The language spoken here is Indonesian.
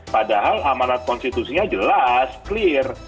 padahal amanat konstitusinya jelas clear